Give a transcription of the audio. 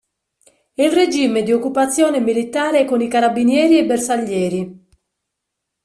E il regime di occupazione militare con i carabinieri e i bersaglieri.